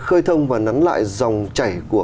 khơi thông và nắn lại dòng chảy của